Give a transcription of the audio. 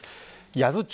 八頭町